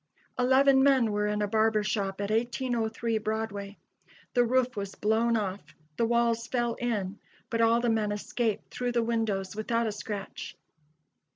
Eleven men were in a barber shop at 1803 Broadway. The roof was blown off; the walls fell in, but all the men escaped through the windows without a scratch.